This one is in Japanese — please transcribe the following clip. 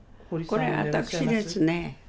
これ私ですね。